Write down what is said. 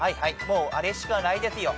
もうあれしかないですよ。